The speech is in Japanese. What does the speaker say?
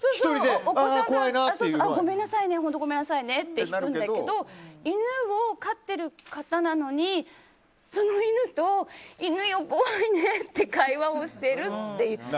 お子さんだったら本当ごめんなさいねって引くんだけど犬を飼ってる方なのにその犬と犬よ、怖いねって会話をしているっていう。